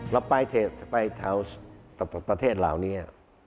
เราไปแถวประเทศเหล่านี้